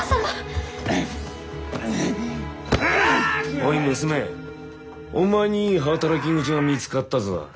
おい娘お前にいい働き口が見つかったぞ。